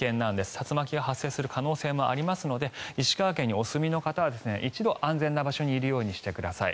竜巻が発生する可能性もありますので石川県にお住みの方は一度安全な場所にいるようにしてください。